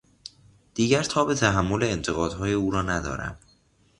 دیگر تاب تحمل انتقادهای او را ندارم.